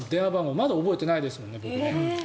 まだ覚えてないですもんね。